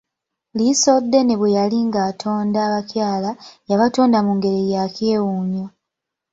Liisoddene bwe yali ng'atonda abakyala, yabatonda mu ngeri yakyewuunyo.